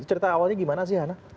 cerita awalnya gimana sih hana